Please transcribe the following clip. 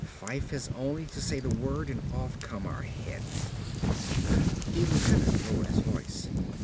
Fyfe has only to say the word and off come our heads." The lieutenant lowered his voice.